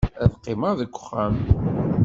Ad qqimeɣ deg uxxam.